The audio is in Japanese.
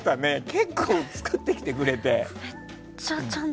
結構作ってきてくれて。